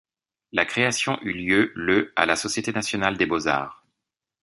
La création eu lieu le à la Société nationale des beaux-arts.